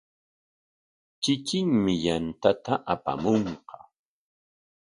Kikinmi yantata apamunqa.